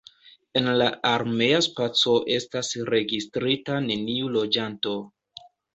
En la armea spaco estas registrita neniu loĝanto.